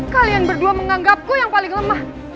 kalian berdua menganggapku yang paling lemah